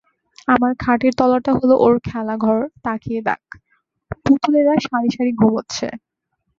আমার খাটের তলাটা হল ওর খেলাঘর তাকিয়ে দাখ, পুতুলেরা সারিসারি ঘুমোচ্ছে!